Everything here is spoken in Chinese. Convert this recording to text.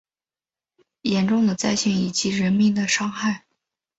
严重的灾情以及人命的伤亡